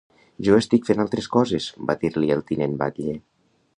Jo estic fent altres coses, va dir-li el tinent batlle.